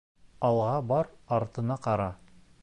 Алға бар, артыңа ҡара.